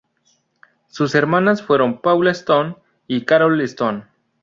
Sus hermanas fueron Paula Stone y Carol Stone.